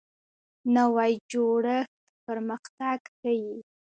نوی جوړښت پرمختګ ښیي